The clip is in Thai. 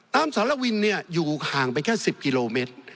น้ำสารวินเนี่ยอยู่ห่างไปแค่๑๐กิโลเมตร